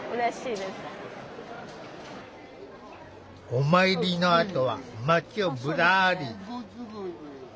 お参りのあとは街をぶらり。